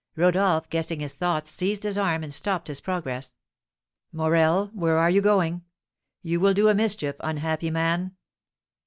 Rodolph, guessing his thoughts, seized his arm, and stopped his progress. "Morel, where are you going? You will do a mischief, unhappy man!"